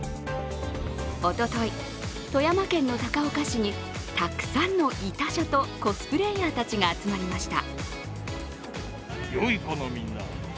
おととい、富山県の高岡市にたくさんの痛車とコスプレーヤーたちが集まりました。